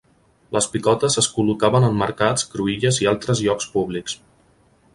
Les picotes es col·locaven en mercats, cruïlles i altres llocs públics.